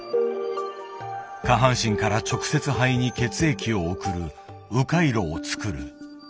下半身から直接肺に血液を送る「う回路」を作る。